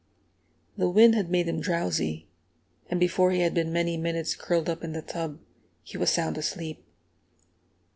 The wind had made him drowsy, and before he had been many minutes curled up in the tub, he was sound asleep.